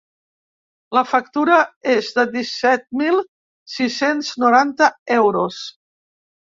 La factura és de disset mil sis-cents noranta euros.